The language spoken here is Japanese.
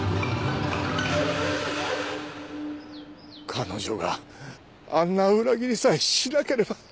彼女があんな裏切りさえしなければ。